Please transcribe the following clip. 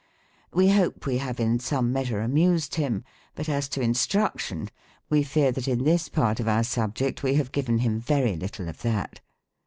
We hope we have in some measure amused him ; but as to instruction, we fear that, in this part of our subject, we have given 112 THE COMIC ENGLISH GRABIMAR. him very little of that.